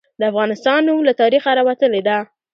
د افغانستان نوم له تاریخه راوتلي ده.